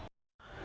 và tình cài